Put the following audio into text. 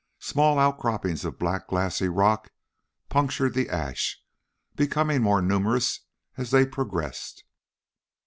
Small outcroppings of black glassy rock punctured the ash, becoming more numerous as they progressed.